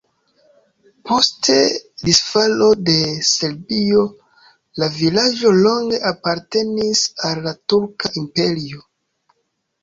Post disfalo de Serbio la vilaĝo longe apartenis al la Turka Imperio.